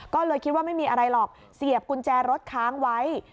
ก็เลยคิดว่าไม่มีอะไรหรอกเสียบกุญแจรถค้างไว้